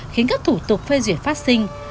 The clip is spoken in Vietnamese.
khiến các thủ tục phê duyệt phát sinh